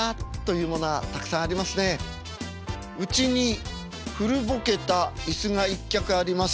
うちに古ぼけた椅子が１脚あります。